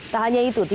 tak hanya itu